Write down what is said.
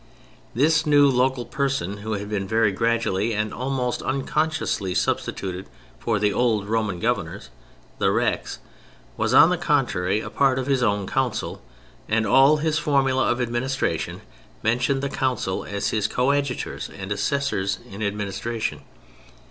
This new local person, who had been very gradually and almost unconsciously substituted for the old Roman Governors, the Rex, was, on the contrary, a part of his own Council, and all his formulæ of administration mentioned the Council as his coadjutors and assessors in administration.